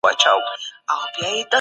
ژوند د الله لخوا ورکړل سوی دی.